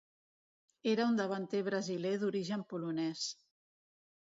Era un davanter brasiler d'origen polonès.